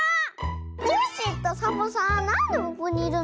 コッシーとサボさんなんでここにいるの？